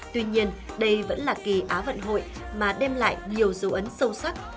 tuy nhiên đây vẫn là kỳ á vận hội mà đem lại nhiều dấu ấn sâu sắc